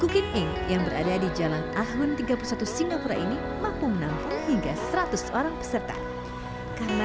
cooking yang berada di jalan ahun tiga puluh satu singapura ini mampu menang hingga seratus orang peserta karena